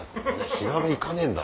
火鍋行かねえんだ！